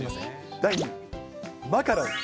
第２位、マカロン。